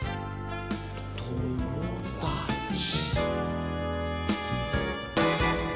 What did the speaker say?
ともだち。